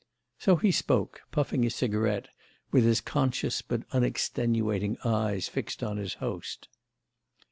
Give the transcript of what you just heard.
So he spoke, puffing his cigarette, with his conscious but unextenuating eyes fixed on his host.